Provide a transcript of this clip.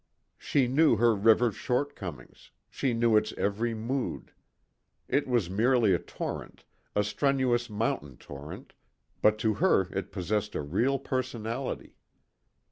She knew her river's shortcomings, she knew its every mood. It was merely a torrent, a strenuous mountain torrent, but to her it possessed a real personality.